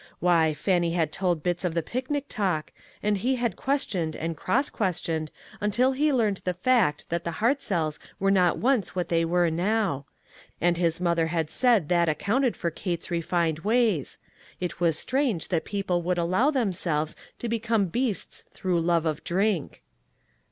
Why, Fannie had told bits of the picnic talk, and he had ques tioned and cross questioned until he learned the fact that the Hartzells were not once what they were now ; and his mother had said that accounted for Kate's refined ways; it was strange that people would allow themselves to become beasts through love of drink.